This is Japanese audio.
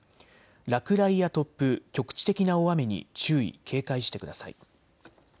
落雷や突風、局地的な大雨に注意、警戒してください。